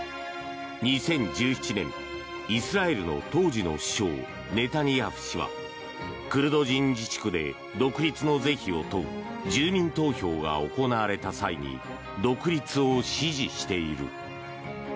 ２０１７年、イスラエルの当時の首相、ネタニヤフ氏はクルド人自治区で独立の是非を問う住民投票が行われた際に独立を支持している。